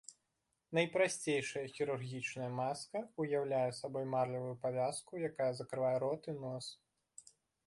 Найпрасцейшая хірургічная маска ўяўляе сабой марлевую павязку, якая закрывае рот і нос.